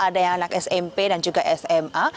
ada yang anak smp dan juga sma